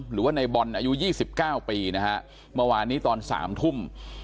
หรือว่าในบอลอายุ๒๙ปีนะฮะเมื่อวานนี้ตอน๓ทุ่ม